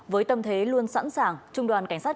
với tâm thế luôn sẵn sàng trung đoàn cảnh sát